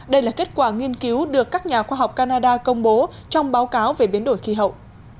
đây là kết quả nghiên cứu được các nhà khoa học canada công bố trong báo cáo về biến đổi khí hậu